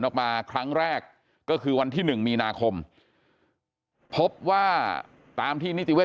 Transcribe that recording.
ออกมาครั้งแรกก็คือวันที่๑มีนาคมพบว่าตามที่นิติเวท